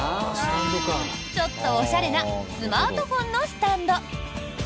ちょっとおしゃれなスマートフォンのスタンド。